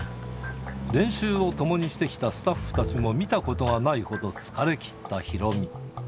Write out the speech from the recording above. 練習を共にしてきたスタッフたちも見たことがないほど疲れ切ったヒロミ。